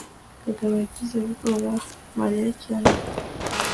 kagabo yagize ubwoba mariya cyane